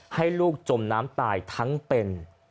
ให้ลูกจมน้ำตายทั้งเป็น